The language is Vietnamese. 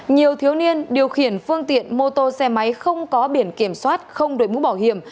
nhiều thiếu niên điều khiển phương tiện mô tô xe máy không có biển kiểm soát không đổi mũ bảo hiểm